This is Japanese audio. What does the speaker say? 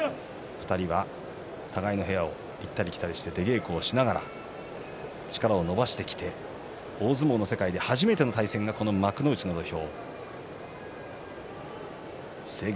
２人は互いの部屋を行ったり来たりして稽古をしながら力を伸ばしてきて大相撲の世界で初めての対戦がこの幕内の土俵。